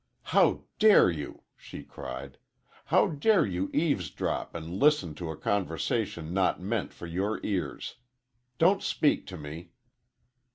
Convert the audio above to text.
"How dare you!" she cried; "how dare you eavesdrop and listen to a conversation not meant for your ears? Don't speak to me!"